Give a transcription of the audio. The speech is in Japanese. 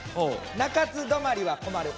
「中津止まりは困る」。